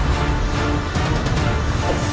kau pertama sekali